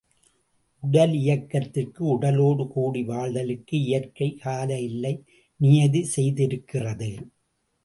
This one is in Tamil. உடலியக்கத்திற்கு உடலோடு கூடி வாழ்தலுக்கு இயற்கை, கால எல்லை நியதி செய்திருக்கிறது.